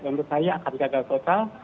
menurut saya akan gagal total